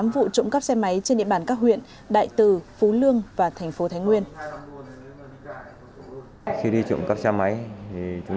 tám vụ trộm cắp xe máy trên địa bàn các huyện đại từ phú lương và thành phố thái nguyên